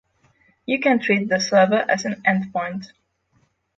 You can treat the server as an endpoint